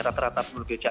rata rata perlu becak